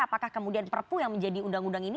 apakah kemudian perpu yang menjadi undang undang ini